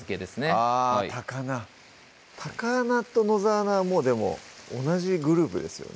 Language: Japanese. あぁ高菜高菜と野沢菜はもうでも同じグループですよね